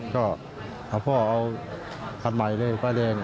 ก็พ่อเอาพัดใหม่เลยป้ายแดง